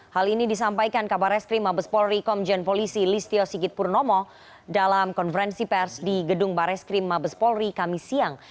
hal ini disampaikan kabar reskrim mabes polri komjen polisi listio sigit purnomo dalam konferensi pers di gedung bareskrim mabes polri kami siang